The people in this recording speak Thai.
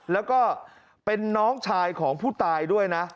แล้วก็เป็นน้องชายของผู้ตายด้วยนะ